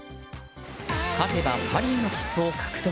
勝てばパリへの切符を獲得。